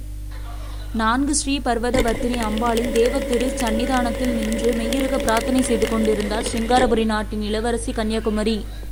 நான்கு ஸ்ரீபர்வதவர்த்தினி அம்பாளி தேவத்திருச் சந்நிதனத்தில் நின்று மெய்யுருகப் பிரார்த்தனை செய்து கொண்டிருந்தாள், சிருங்காரபுரி நாட்டின் இளவரசி கன்யாகுமரி.